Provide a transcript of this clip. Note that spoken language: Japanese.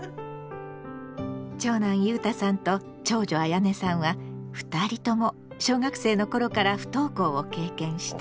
長男ゆうたさんと長女あやねさんは２人とも小学生の頃から不登校を経験した。